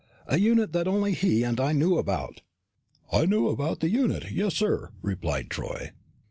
"A unit that only he and I knew about?" "I knew about the unit yes, sir," replied Troy.